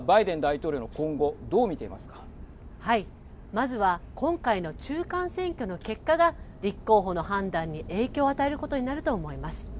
まずは今回の中間選挙の結果が立候補の判断に影響を与えることになると思います。